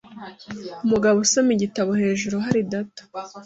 Umugabo usoma igitabo hejuru hari data .